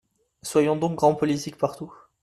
Soyons donc grands politiques partout.